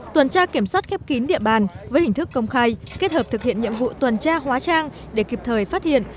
tuần tra kiểm soát khép kín địa bàn với hình thức công khai kết hợp thực hiện nhiệm vụ tuần tra hóa trang để kịp thời phát hiện